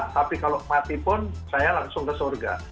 tapi kalau mati pun saya langsung ke surga